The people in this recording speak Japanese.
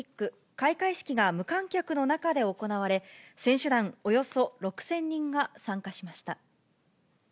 開会式が無観客の中で行われ、選手団およそ６０００人が参加しました。